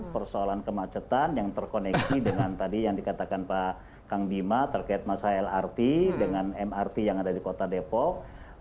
persoalan kemacetan yang terkoneksi dengan tadi yang dikatakan pak kang bima terkait masalah lrt dengan mrt yang ada di kota depok